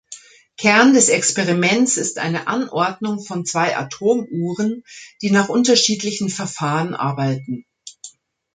Kern des Experiments ist eine Anordnung von zwei Atomuhren, die nach unterschiedlichen Verfahren arbeiten.